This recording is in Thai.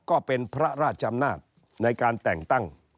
ก็เป็นพระราชอำนาจในการแต่งตั้ง